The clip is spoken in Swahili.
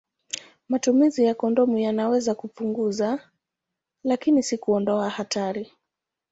Matumizi ya kondomu yanaweza kupunguza, lakini si kuondoa hatari.